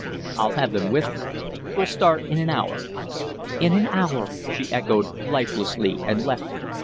"I'll have them with me. We'll start in an hour." "In an hour," she echoed, lifelessly, and left him.